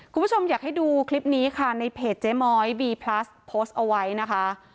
คุณผู้ชมอยากให้ดูคลิปนี้ค่ะในเพจเจ๊ม้อยบีพลัสโพสต์เอาไว้นะคะ